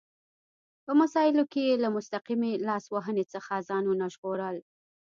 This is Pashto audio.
په مسایلو کې یې له مستقیمې لاس وهنې څخه ځانونه ژغورل.